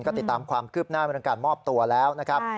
ก็ติดตามความคืบหน้าเรื่องการมอบตัวแล้วนะครับ